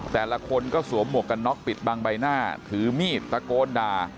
แต่ละคนก็สวมหมวกกันน็อกปิดบังใบหน้าถือมีดตะโกนด่า